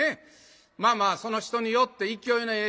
まあまあその人によって勢いのええ